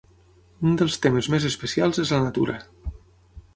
Un dels temes més especials és la natura.